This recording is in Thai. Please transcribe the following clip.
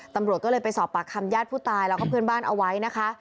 ตำรวจก็เลยไปสอบปากคำญาติผู้ตายแล้วก็เพื่อนบ้านเอาไว้นะคะ